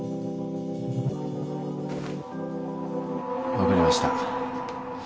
わかりました。